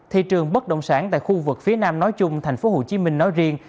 thị trường bất động sản tại khu vực phía nam nói chung thành phố hồ chí minh nói riêng